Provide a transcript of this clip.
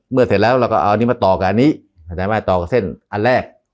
เสร็จแล้วเราก็เอาอันนี้มาต่อกับอันนี้เข้าใจไหมต่อกับเส้นอันแรก